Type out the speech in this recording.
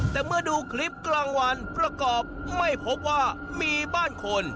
แต่เมื่อดูคลิปกลางวันประกอบไม่พบว่ามีบ้านคน